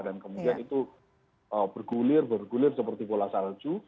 dan kemudian itu bergulir bergulir seperti bola salju